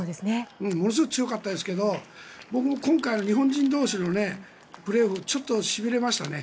ものすごく強かったですけど僕も今回の日本人同士のプレーオフちょっとしびれましたね。